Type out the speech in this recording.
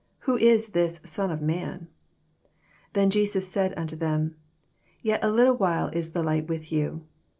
who is this Son of man 7 35 Then Jesns said nnto them, Yet a little while is the light with you.